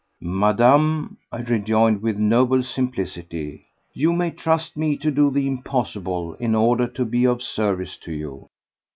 "Madame," I rejoined with noble simplicity, "you may trust me to do the impossible in order to be of service to you."